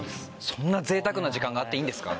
そんな贅沢な時間があっていいんですか？